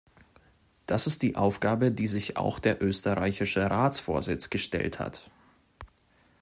Das ist die Aufgabe, die sich auch der österreichische Ratsvorsitz gestellt hat.